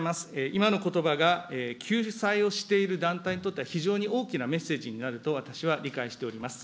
今のことばが救済をしている団体にとっては、非常に大きなメッセージになると、私は理解しております。